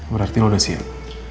berarti lo udah siap